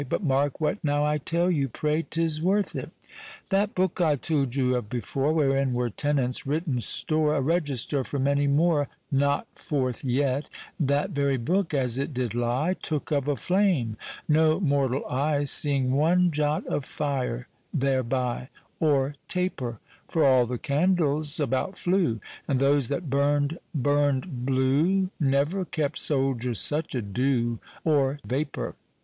But mark what now I tell you, pray, 'Tis worth it. That book I told you of before, Wherein were tenants written store, A register for many more Not forth yet, That very book, as it did lie, Took of a flame, no mortall eye Seeing one jot of fire thereby, Or taper; For all the candles about flew, And those that burned, burned blew, Never kept soldiers such a doe Or vaper.